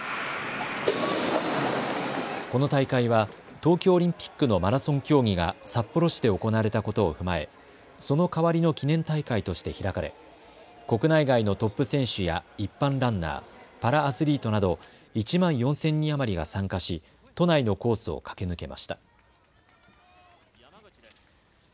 この大会は東京オリンピックのマラソン競技が札幌市で行われたことを踏まえ、その代わりの記念大会として開かれ国内外のトップ選手や一般ランナー、パラアスリートなど１万４０００人余りが参加し都内のコースを駆け抜けました。